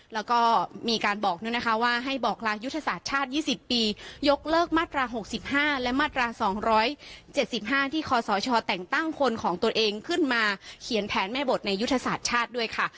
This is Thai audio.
แล้วก็มีการบอกด้วยนะคะว่าให้บอกลายุทธศาสตร์ชาติ๒๐ปียกเลิกมาตรา๖๕และมาตรา๒๗๕ที่คศแต่งตั้งคนของตัวเองขึ้นมาเขียนแผนแม่บทในยุทธศาสตร์ชาติด้วยค่ะ